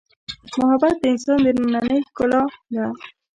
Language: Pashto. محبت د انسان دنننۍ ښکلا ده.